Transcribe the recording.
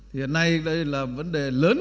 hiện nay đây là vấn đề lớn